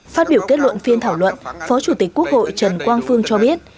phát biểu kết luận phiên thảo luận phó chủ tịch quốc hội trần quang phương cho biết